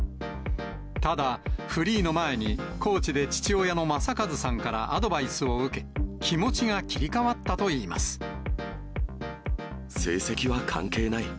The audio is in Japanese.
ただ、フリーの前に、コーチで父親の正和さんからアドバイスを受け、気持ちが切り替わ成績は関係ない。